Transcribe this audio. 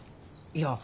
いや。